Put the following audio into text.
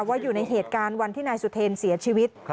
ว่าอยู่ในเหตุการณ์วันที่นายสุเทรนเสียชีวิต